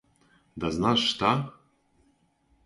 Да знаш шта?